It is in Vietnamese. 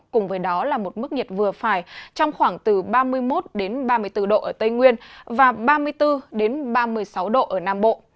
cùng với đó là một mức nhiệt vừa phải trong khoảng từ ba mươi một ba mươi bốn độ ở tây nguyên và ba mươi bốn ba mươi sáu độ ở nam bộ